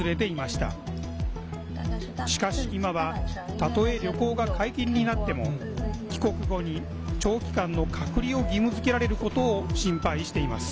しかし、今はたとえ旅行が解禁になっても帰国後に長期間の隔離を義務づけられることを心配しています。